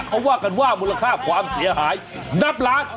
เขาว่ากันว่ามูลค่าความเสียหายนับล้าน